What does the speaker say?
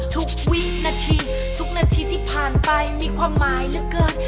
ทุกวินาทีทุกนาทีที่ผ่านไปมีความหมายเหลือเกิน